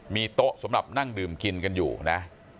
มีโต๊ะสำหรับนั่งดื่มกินกันอยู่นะ